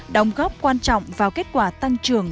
đồng góp quan trọng vào kết quả tăng trưởng